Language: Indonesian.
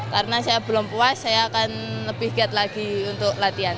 karena saya belum puas saya akan lebih giat lagi untuk latihan